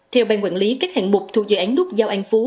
theo ban quản lý các hạng mục thu dự án nút dao an phú